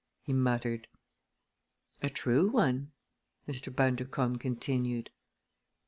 he muttered. "A true one!" Mr. Bundercombe continued.